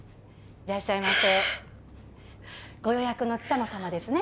いらっしゃいませご予約の北野さまですね？